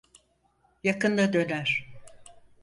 Yakında döner.